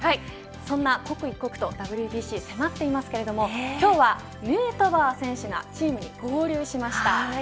そんな、刻一刻とＷＢＣ迫っていますけれども今日はヌートバー選手がついにチームに合流しました。